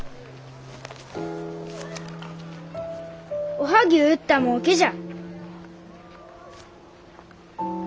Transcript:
おはぎゅう売ったもうけじゃ。